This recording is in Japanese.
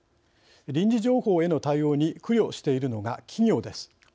「臨時情報」への対応に苦慮しているのが企業です。